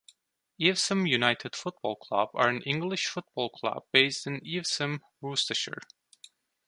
Evesham United Football Club are an English football club based in Evesham, Worcestershire.